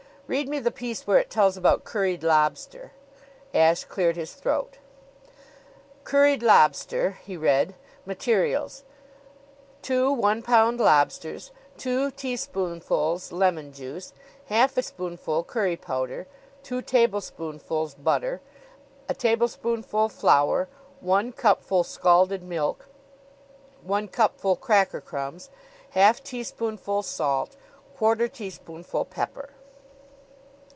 "Read me the piece where it tells about curried lobster." Ashe cleared his throat. "'Curried Lobster,'" he read. "'Materials: Two one pound lobsters, two teaspoonfuls lemon juice, half a spoonful curry powder, two tablespoonfuls butter, a tablespoonful flour, one cupful scalded milk, one cupful cracker crumbs, half teaspoonful salt, quarter teaspoonful pepper.'"